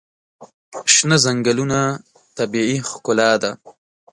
شنه ځنګلونه طبیعي ښکلا ده.